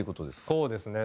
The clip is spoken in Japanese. そうですね。